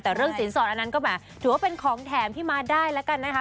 แต่เรื่องสินสอดอันนั้นก็แบบถือว่าเป็นของแถมที่มาได้แล้วกันนะคะ